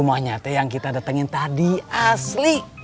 semuanya teh yang kita datengin tadi asli